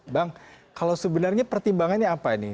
bang kalau sebenarnya pertimbangannya apa ini